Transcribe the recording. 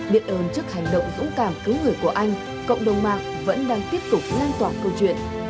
biện ơn trước hành động dũng cảm cứu người của anh cộng đồng mạng vẫn đang tiếp tục lan tỏa câu chuyện